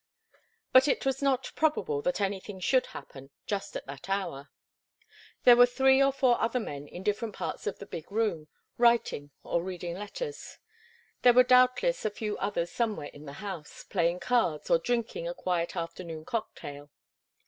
But it was not probable that anything should happen just at that hour. There were three or four other men in different parts of the big room, writing or reading letters. There were doubtless a few others somewhere in the house, playing cards or drinking a quiet afternoon cocktail.